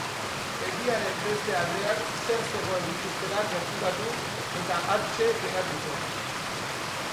Mendiaren beste aldean zer zegoen ikustera gerturatu eta hantxe geratu zen.